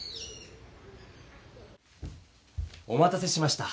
おまたせしました。